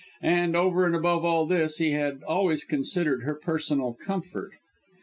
And, over and above all this, he had always considered her personal comfort.